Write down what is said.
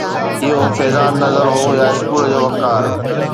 اهو فيضان نظر هو يا اسڪول جو وقار